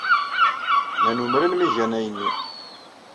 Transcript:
Nnan umren mi gan ayen-nni.